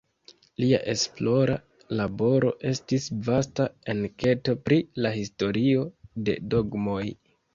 Lia esplora laboro estis vasta enketo pri la historio de dogmoj.